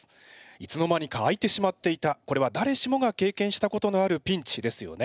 いつの間にか開いてしまっていたこれはだれしもが経験したことのあるピンチですよね。